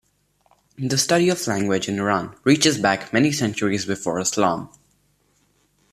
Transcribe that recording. The study of language in Iran reaches back many centuries before Islam.